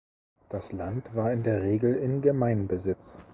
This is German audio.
Das Land war in der Regel in Gemeinbesitz.